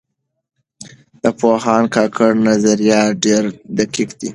د پوهاند کاکړ نظریات ډېر دقیق دي.